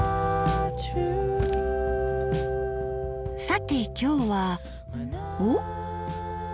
さて今日はおっ！